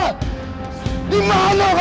kau mau menang